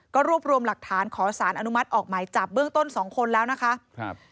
ก็รวบรวมหลักฐานขอสารอนุมัติออกหมายจับเบื้องต้นสองคนแล้วนะคะครับ